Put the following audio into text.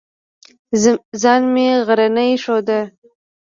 ځان مې غرنی ښوده.